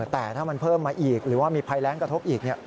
แต่ถ้ามันเพิ่มมาอีกหรือว่ามีภัยแรงกระทบอีก